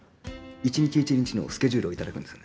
一日一日のスケジュールをいただくんですね。